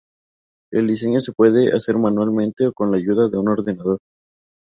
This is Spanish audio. El diseño se puede hacer manualmente o con la ayuda de un ordenador.